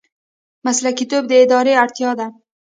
مسلکي توب د ادارې اړتیا ده